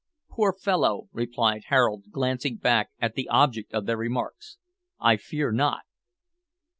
"Poor fellow," replied Harold, glancing back at the object of their remarks, "I fear not."